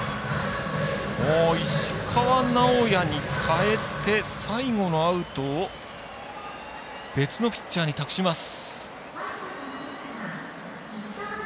石川直也に代えて最後のアウトを別のピッチャーに託します。